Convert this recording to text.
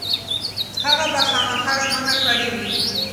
هغه به خامخا ژمنه کړې وي.